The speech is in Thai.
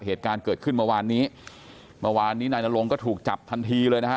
เหตุการณ์เกิดขึ้นเมื่อวานนี้เมื่อวานนี้นายนรงก็ถูกจับทันทีเลยนะฮะ